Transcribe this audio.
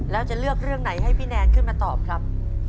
แล้วจะเลือกเรื่องไหนให้พี่แนนขึ้นมาตอบครับ